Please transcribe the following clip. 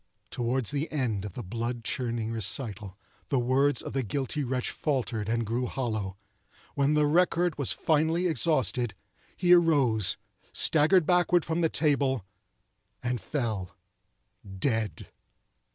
Toward the end of the blood chilling recital the words of the guilty wretch faltered and grew hollow. When the record was finally exhausted, he arose, staggered backward from the table, and fell—dead.